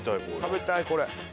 食べたいこれ。